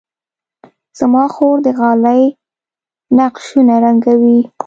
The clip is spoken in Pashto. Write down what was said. زما خور د غالۍ نقشونه رنګوي.